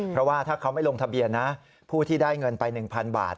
เพราะว่าถ้าเขาไม่ลงทะเบียนนะผู้ที่ได้เงินไป๑๐๐๐บาท